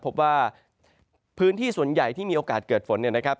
พบว่าพื้นที่ส่วนใหญ่ที่มีโอกาสเกิดฝนเนี่ยนะครับ